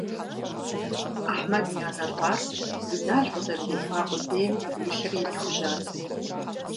Ахьмэд и анэ лӀар Инал къызэрыриӀуа къудейм и лъыр ирихужьат.